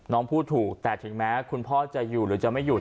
พูดถูกแต่ถึงแม้คุณพ่อจะอยู่หรือจะไม่หยุด